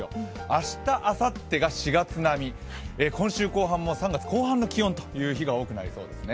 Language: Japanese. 明日、あさってが４月並み、今週後半も３月後半の気温という日が多くなりそうですね。